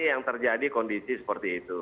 yang terjadi kondisi seperti itu